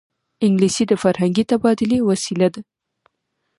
انګلیسي د فرهنګي تبادلې وسیله ده